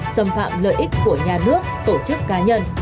xâm phạm lợi ích của nhà nước tổ chức cá nhân